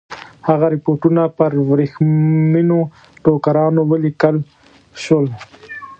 هغه رپوټونه پر ورېښمینو ټوکرانو ولیکل شول.